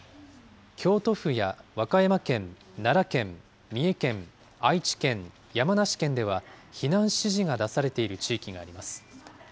京都府や和歌山県、奈良県、三重県、愛知県、山梨県では、避難指示が出されている地域があります。